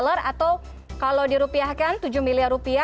atau kalau dirupiahkan tujuh bilion